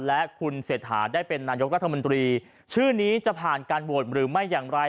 และคุณเศรษฐาได้เป็นนายกรัฐมนตรีชื่อนี้จะผ่านการโหวตหรือไม่อย่างไร